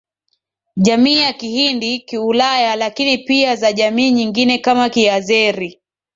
jamii ya Kihindi Kiulaya lakini pia za jamii nyingine kama Kiazeri